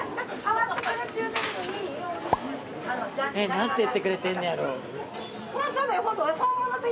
何て言ってくれてんねやろ？